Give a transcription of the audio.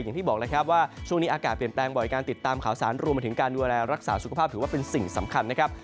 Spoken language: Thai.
อย่างที่บอกแล้วครับว่าช่วงนี้อากาศเปลี่ยนแปลงบ่อยการติดตามข่าวสารรวมมาถึงการดูแลรักษาสุขภาพถือว่าเป็นสิ่งสำคัญนะครับ